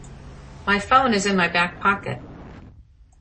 My phone is in my back pocket.